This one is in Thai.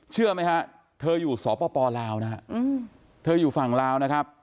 เชื่อไหมฮะเธออยู่สปลาวนะฮะเธออยู่ฝั่งลาวนะครับ